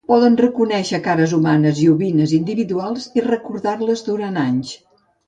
Poden reconèixer cares humanes i ovines individuals i recordar-les durant anys.